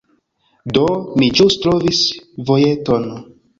Do, mi ĵus trovis vojeton